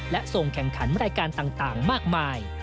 และส่งแข่งขันรายการต่างมากมาย